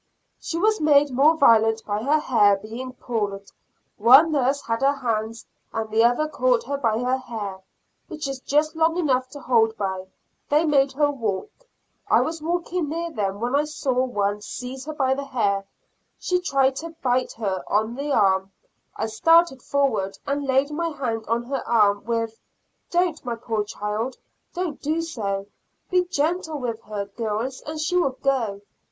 She was made more violent by her hair being pulled; one nurse had her hands, and the other caught her by her hair, which is just long enough to hold by. They made her walk. I was walking near them when I saw one seize her by the hair; she tried to bite her on the arm. I started forward, and laid my hand on her arm, with "Don't, my poor child, don't do so; be gentle with her, girls, and she will go."